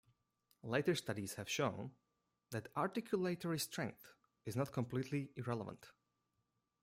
Later studies have shown that articulatory strength is not completely irrelevant.